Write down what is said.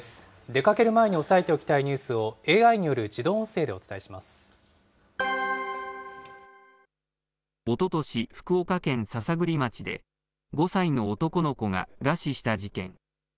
出かける前に押さえておきたいニュースをＡＩによる自動音声でおおととし、福岡県篠栗町で５歳の男の子が餓死した事件。